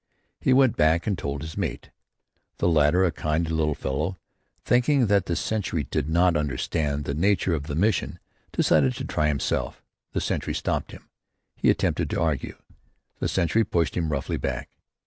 He went back and told his mate. The latter, a kindly little fellow, thinking that the sentry had not understood the nature of the mission, decided to try himself. The sentry stopped him. He attempted to argue. The sentry pushed him roughly back.